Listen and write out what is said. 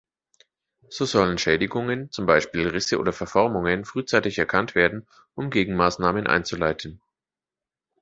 So sollen Schädigungen, zum Beispiel Risse oder Verformungen, frühzeitig erkannt werden, um Gegenmaßnahmen einzuleiten.